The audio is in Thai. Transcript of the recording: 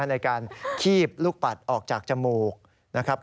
ในการคีบลูกปัดออกจากจมูกนะครับ